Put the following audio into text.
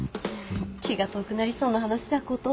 気が遠くなりそうな話だこと。